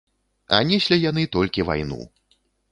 А неслі яны толькі вайну.